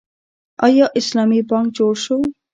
آیا اسلامي بانک جوړ شو؟